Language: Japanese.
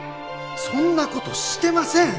そんな事してません！